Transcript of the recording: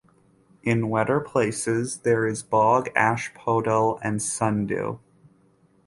In wetter places there is bog asphodel and sundew.